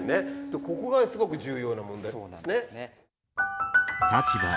ここがすごく重要な問題ですね。